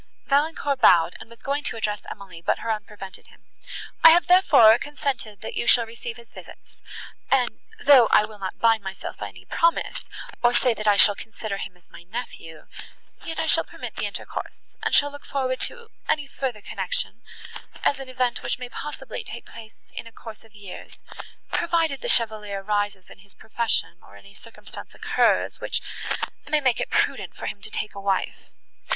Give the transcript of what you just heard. Valancourt bowed, and was going to address Emily, but her aunt prevented him. "I have, therefore, consented that you shall receive his visits; and, though I will not bind myself by any promise, or say, that I shall consider him as my nephew, yet I shall permit the intercourse, and shall look forward to any further connection as an event, which may possibly take place in a course of years, provided the chevalier rises in his profession, or any circumstance occurs, which may make it prudent for him to take a wife.